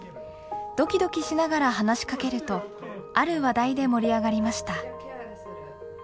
ドキドキしながら話しかけるとある話題で盛り上がりました。